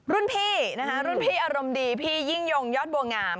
รุ่นพี่อารมณ์ดีพี่ยิ่งโยงยอดบัวงาม